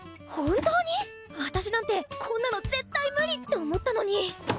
本当に⁉私なんてこんなの絶対無理って思ったのに。